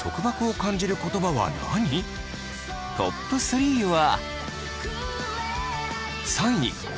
トップ３は。